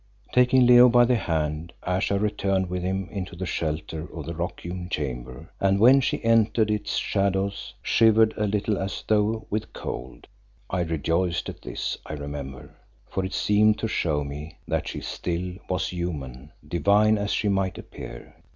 Taking Leo by the hand Ayesha returned with him into the shelter of the rock hewn chamber and when she entered its shadows, shivered a little as though with cold. I rejoiced at this I remember, for it seemed to show me that she still was human, divine as she might appear.